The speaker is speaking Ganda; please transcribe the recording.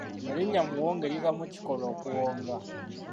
Erinnya Muwonge liva mu kikolwa okuwonga.